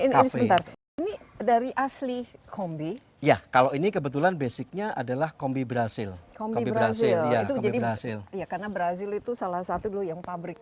tapi saya yakin akan ada lebih banyak